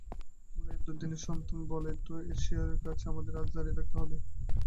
আমরা এর দুর্দিনের সন্তান বলেই তো এর শিয়রের কাছে আমাদের আজ দাঁড়িয়ে থাকতে হবে।